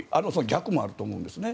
逆もあると思うんですね。